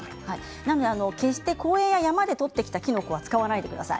決して公園や山で取ってきたものは使わないでください。